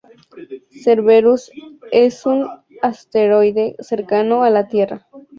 Cerberus es un asteroide cercano a la Tierra.